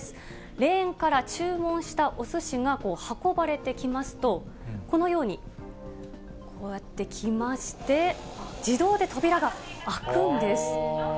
レーンから注文したおすしが運ばれてきますと、このように、こうやって来まして、自動で扉が開くんです。